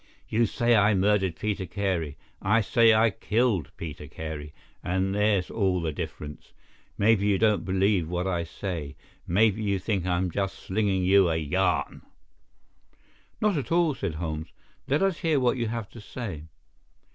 You say I murdered Peter Carey, I say I killed Peter Carey, and there's all the difference. Maybe you don't believe what I say. Maybe you think I am just slinging you a yarn." "Not at all," said Holmes. "Let us hear what you have to say."